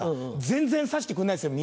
全然指してくんないんですよ